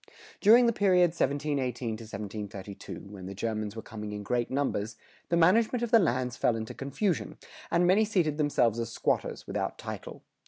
[101:1] During the period 1718 to 1732, when the Germans were coming in great numbers, the management of the lands fell into confusion, and many seated themselves as squatters, without title.